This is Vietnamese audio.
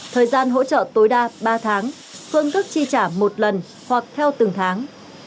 thời gian hỗ trợ tối đa ba tháng phương thức chi trả một lần hoặc theo từng tháng